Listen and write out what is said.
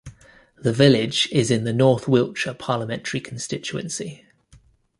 The village is in the North Wiltshire parliamentary constituency.